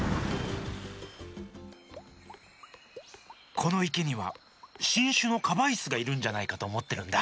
このいけにはしんしゅのカバイスがいるんじゃないかとおもってるんだ。